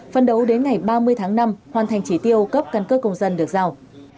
phân đấu đến ngày ba mươi tháng năm hoàn thành chỉ tiêu cấp cân cơ công dân được giao